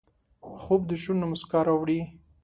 خوب د شونډو مسکا راوړي